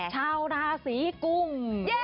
ชาวราศีกุ้ง